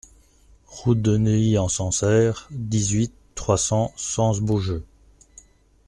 Route de Neuilly-en-Sancerre, dix-huit, trois cents Sens-Beaujeu